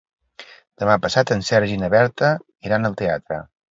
Demà passat en Sergi i na Berta iran al teatre.